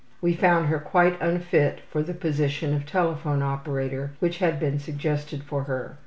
We found her quite unfit for the position of telephone operator which had been suggested for her.